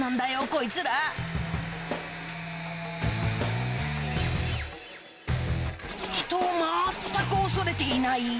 こいつら人を全く恐れていない